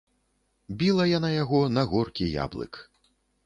Біла яна яго на горкі яблык.